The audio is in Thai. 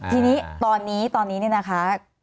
ทีนี้ตอนนี้ตอนนี้นี่นะคะ